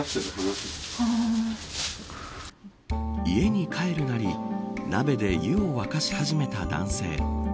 家に帰るなり鍋で湯を沸かし始めた男性。